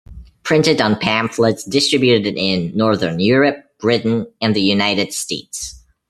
Printed on pamphlets distributed in Northern Europe, Britain and the United States.